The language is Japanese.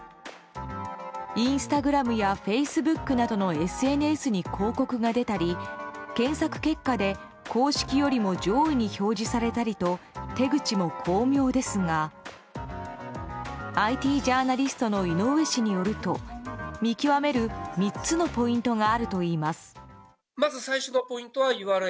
インスタグラムやフェイスブックなどのＳＮＳに広告が出たり検索結果で公式よりも上位に表示されたりと手口も巧妙ですがＩＴジャーナリストの井上氏によると見極める３つのポイントがあるといいます。